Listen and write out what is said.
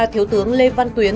thiếu tướng lê văn tuyến